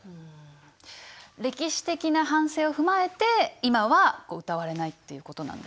歴史的な反省を踏まえて今は歌われないっていうことなんですね。